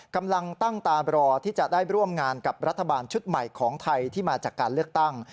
กำลังตั้งตารอที่จะได้ร่วมงานกับรัฐบาลชุดใหม่ของไทยที่มาจากการเลือกตั้ง